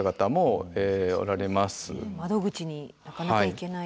窓口になかなか行けない。